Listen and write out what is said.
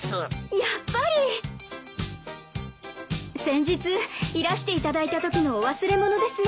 やっぱり！先日いらしていただいたときのお忘れ物です。